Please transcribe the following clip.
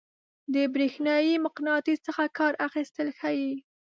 د برېښنايي مقناطیس څخه کار اخیستل ښيي.